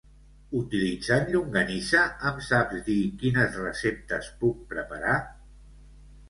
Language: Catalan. Utilitzant llonganissa em saps dir quines receptes puc preparar?